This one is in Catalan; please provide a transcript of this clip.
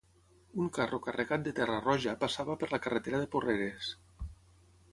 Un carro carregat de terra roja passava per la carretera de Porreres